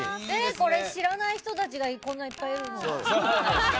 これ、知らない人たちがこんないっぱいいるの？